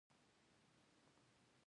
په پارک کې د ګلانو خوشبو هوا تازه کوي.